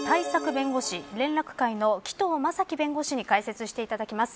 弁護士連絡会の紀藤正樹弁護士に解説していただきます。